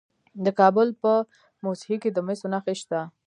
د کابل په موسهي کې د مسو نښې شته.